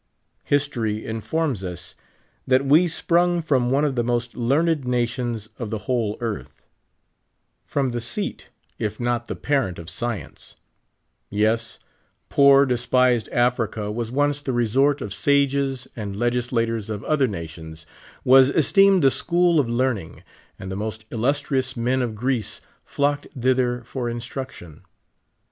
History informs us that we sprung from one of the most learned nations of the whole earth ;* 68 from the scat, if not the parent of science ; jes, poor, despised Africa was once the resort of sasres *ind legis lators of other nations, was esteemed the school of learn ing, and the most illustrious men of Greece flocked thither for instruction.